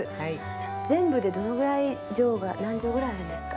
全部でどのくらい畳が、何畳ぐらいあるんですか？